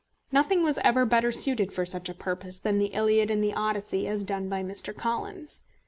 Nothing was ever better suited for such a purpose than the Iliad and the Odyssey, as done by Mr. Collins.